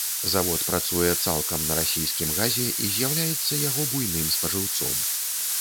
Завод працуе цалкам на расійскім газе і з'яўляецца яго буйным спажыўцом.